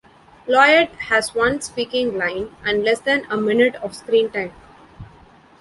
Lloyd has one speaking line, and less than a minute of screen time.